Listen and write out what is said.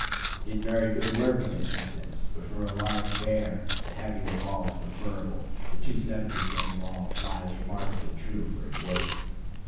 It did very good work in this instance, but for a large bear the heavier ball is preferable. The 270 grain ball flies remarkably true for its weight.